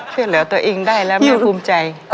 ช่วยเหลือตัวเองได้แล้วไม่ภูมิใจ